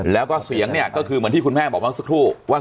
แล้วก็เสียงเนี่ยก็คือเหมือนที่คุณแม่บอกเมื่อสักครู่ว่า